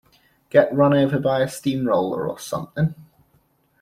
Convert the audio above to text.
Get run over by a steam-roller or something?